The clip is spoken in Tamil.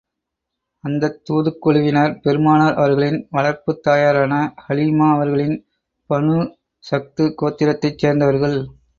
அந்தத் தூதுக் குழுவினர் பெருமானார் அவர்களின் வளர்ப்புத் தாயாரான ஹலீமா அவர்களின் பனூ ஸஃது கோத்திரத்தைச் சேர்ந்தவர்கள்.